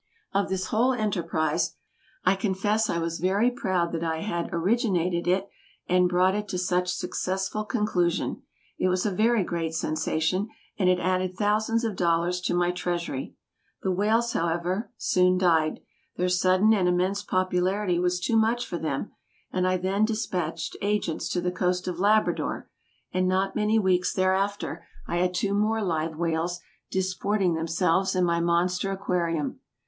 Of this whole enterprise, I confess I was very proud that I had originated it and brought it to such successful conclusion. It was a very great sensation, and it added thousands of dollars to my treasury. The whales, however, soon died their sudden and immense popularity was too much for them and I then despatched agents to the coast of Labrador, and not many weeks thereafter I had two more live whales disporting themselves in my monster aquarium.